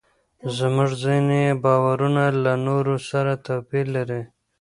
زموږ ځینې باورونه له نورو سره توپیر لري.